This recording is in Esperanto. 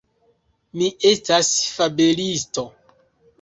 Mi estas fabelisto.